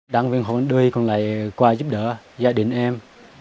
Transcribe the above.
đảng viên hồ quỳnh đuôi còn lại qua giúp đỡ gia đình em